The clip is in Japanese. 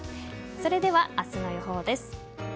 それでは明日の予報です。